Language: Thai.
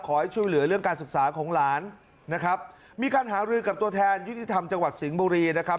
ขอให้ช่วยเหลือเรื่องการศึกษาของหลานนะครับมีการหารือกับตัวแทนยุติธรรมจังหวัดสิงห์บุรีนะครับ